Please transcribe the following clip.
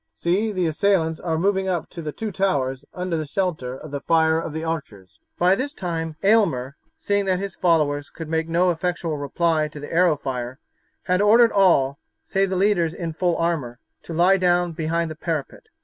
See, the assailants are moving up to the two towers under shelter of the fire of the archers." By this time Aylmer, seeing that his followers could make no effectual reply to the arrow fire, had ordered all, save the leaders in full armour, to lie down behind the parapet.